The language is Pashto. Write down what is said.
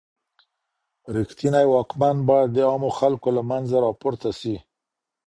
رښتنی واکمن بايد د عامو خلګو له منځه راپورته سي.